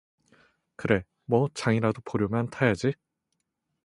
그래, 뭐 장이라도 보려면 타야지?